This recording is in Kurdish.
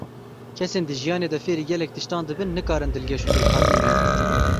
Kesên di jiyanê de fêrî gelek tiştan dibin, nikarin dilgeş û dilpak bimînin.